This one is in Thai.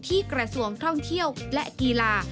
กระทรวงท่องเที่ยวและกีฬา